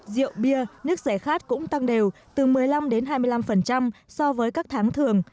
rượu bia nước rẻ khát cũng tăng đều từ một mươi năm hai mươi năm